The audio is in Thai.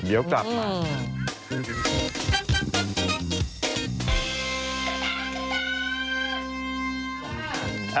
เดี๋ยวกลับมา